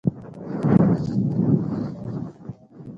د نارينو امامت نه دى روا.